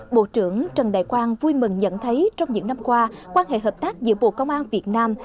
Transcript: bộ trưởng trần đại quang vui mừng nhận thấy trong những năm qua quan hệ hợp tác giữa bộ công an việt nam